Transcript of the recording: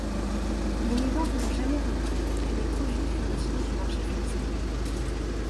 Mais les ventes n'ont jamais repris et le produit fut retiré du marché français.